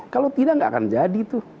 kalau tidak tidak akan jadi